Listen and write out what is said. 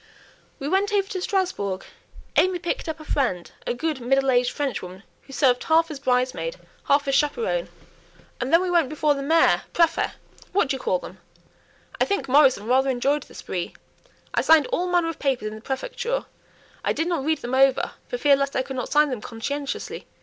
We went over to Strasbourg; AimÄe picked up a friend a good middle aged Frenchwoman who served half as bridesmaid, half as chaperone, and then we went before the mayor prÄfet what do you call them? I think Morrison rather enjoyed the spree. I signed all manner of papers in the prefecture; I did not read them over, for fear lest I could not sign them conscientiously.